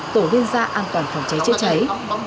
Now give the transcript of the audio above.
tổ viên gia an toàn phòng cháy chữa cháy